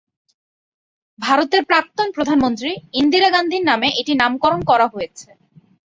ভারতের প্রাক্তন প্রধানমন্ত্রী ইন্দিরা গান্ধীর নামে এটির নামকরণ করা হয়েছে।